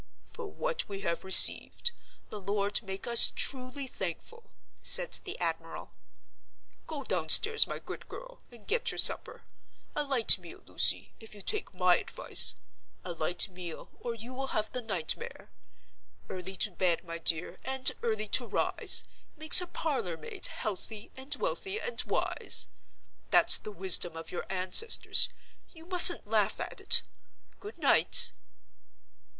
"For what we have received, the Lord make us truly thankful," said the admiral. "Go downstairs, my good girl, and get your supper. A light meal, Lucy, if you take my advice—a light meal, or you will have the nightmare. Early to bed, my dear, and early to rise, makes a parlor maid healthy and wealthy and wise. That's the wisdom of your ancestors—you mustn't laugh at it. Good night."